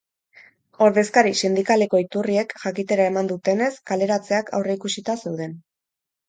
Ordezkari sindikaleko iturriek jakitera eman dutenez, kaleratzeak aurreikusita zeuden.